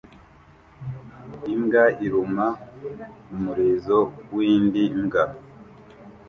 Imbwa iruma umurizo w'indi mbwa